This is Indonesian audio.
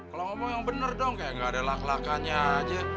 kalau ngomong yang bener dong kayak nggak ada laklakannya aja